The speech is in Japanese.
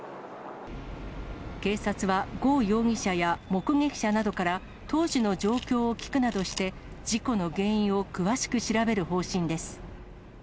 警察は呉容疑者や目撃者などから、当時の状況を聴くなどして、事故の原因を詳しく調べる方針です。